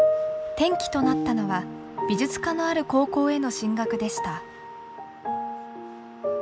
転機となったのは美術科のある高校への進学でした。